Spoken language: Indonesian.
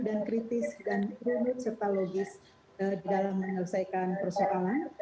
dan kritis dan rumit serta logis dalam menyelesaikan persoalan